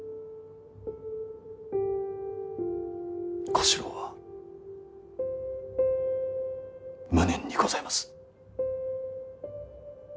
小四郎は無念にございます。